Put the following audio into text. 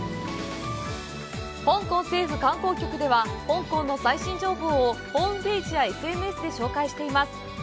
香港政府観光局では、香港の最新情報をホームページやＳＮＳで紹介しています。